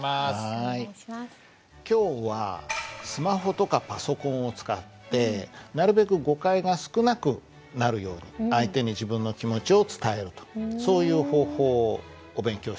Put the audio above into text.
今日はスマホとかパソコンを使ってなるべく誤解が少なくなるように相手に自分の気持ちを伝えるとそういう方法をお勉強したいと思いますけど。